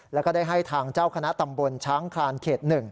แล้วก็ได้ให้ทางเจ้าคณะตำบลช้างคลานเขต๑